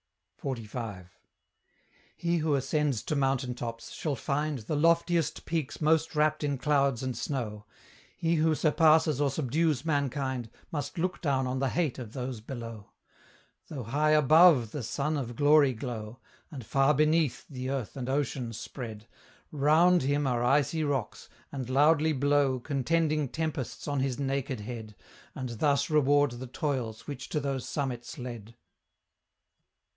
XLV. He who ascends to mountain tops, shall find The loftiest peaks most wrapt in clouds and snow; He who surpasses or subdues mankind, Must look down on the hate of those below. Though high ABOVE the sun of glory glow, And far BENEATH the earth and ocean spread, ROUND him are icy rocks, and loudly blow Contending tempests on his naked head, And thus reward the toils which to those summits led.